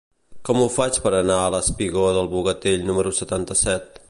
Com ho faig per anar al espigó del Bogatell número setanta-set?